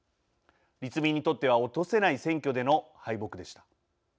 立民にとっては落とせない選挙での敗北でした。